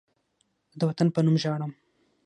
زه د وطن په نوم ژاړم